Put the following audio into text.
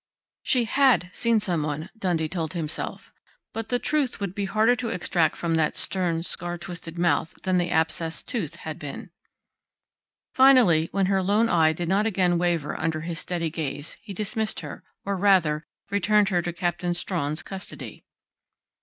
She had seen someone, Dundee told himself. But the truth would be harder to extract from that stern, scar twisted mouth, than the abscessed tooth had been. Finally, when her lone eye did not again waver under his steady gaze, he dismissed her, or rather, returned her to Captain Strawn's custody.